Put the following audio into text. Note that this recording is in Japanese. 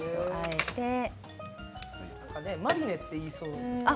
マリネといいそうですね。